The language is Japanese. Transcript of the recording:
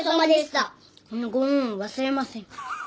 このご恩は忘れません。